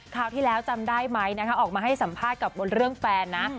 คราวที่แล้วจำได้ไหมนะคะออกมาให้สัมภาษณ์กับบนเรื่องแฟนนะ